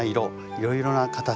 いろいろな形。